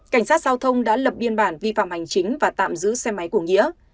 cảnh sát giao thông đã lập biên bản vi phạm hành chính và tạm giữ xe máy của nghĩa